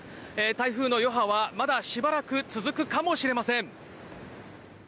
台風の余波はまだしばらく続くかもしれません。